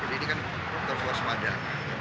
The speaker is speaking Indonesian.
jadi ini kan terluas wadah